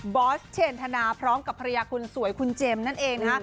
บอสเฉียนธนาพร้อมกับภรรยาคุณสวยคุณเจมส์นั่นเอง